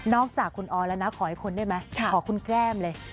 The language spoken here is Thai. อกจากคุณออยแล้วนะขอให้คนได้ไหมขอคุณแก้มเลย